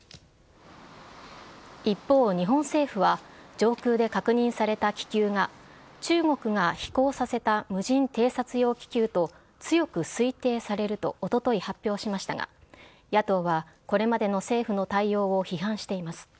一方、日本政府は上空で確認された気球が中国が飛行させた無人偵察用気球と強く推定されるとおととい発表しましたが野党は、これまでの政府の対応を批判しています。